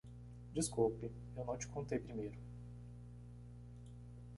Desculpe, eu não te contei primeiro.